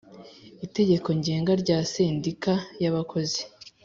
Itegeko Ngenga rya Sendika y’ Abakozi